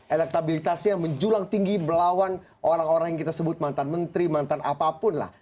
elektabilitasnya menjulang tinggi melawan orang orang yang kita sebut mantan menteri mantan apapun lah